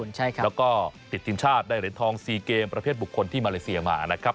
แล้วก็ติดทีมชาติได้เหรียญทอง๔เกมประเภทบุคคลที่มาเลเซียมานะครับ